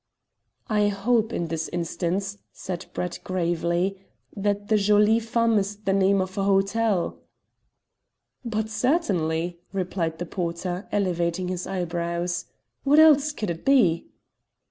"I hope, in this instance," said Brett gravely, "that the Jolies Femmes is the name of a hotel." "But certainly," replied the porter, elevating his eyebrows; "what else could it be?"